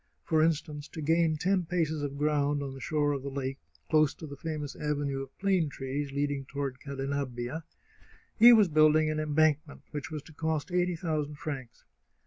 For instance, to gain ten paces of ground on the shore of the lake, close to the famous avenue of plane trees leading toward Cadenabbia, he was building an embankment which was to cost eighty thousand francs.